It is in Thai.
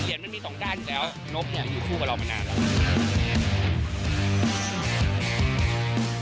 เฮียนมันมี๒ด้านแล้วนกอยู่ทั่วเรามานานแล้ว